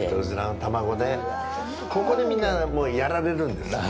ここで、みんなもうやられるんですよ。